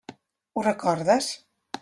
Ho recordes?